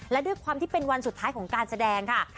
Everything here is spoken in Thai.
และด้วยความที่เป็นวันสุดท้ายของการแสดงค่ะ